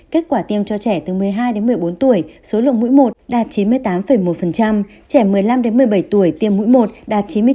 kết quả tiêm cho trẻ từ một mươi hai đến một mươi bốn tuổi số lượng mũi một đạt chín mươi tám một trẻ một mươi năm đến một mươi bảy tuổi tiêm mũi một